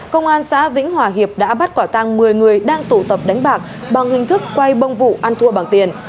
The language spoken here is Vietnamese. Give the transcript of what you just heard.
công an xã vĩnh hòa hiệp đã bắt quả tăng một mươi người đang tụ tập đánh bạc bằng hình thức quay bông vụ ăn thua bằng tiền